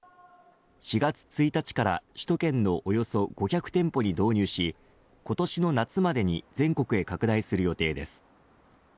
４月１日から首都圏のおよそ５００店舗に導入し今年の夏までに全国に拡大する予定です。